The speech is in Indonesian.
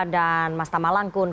dan mas tamalangkun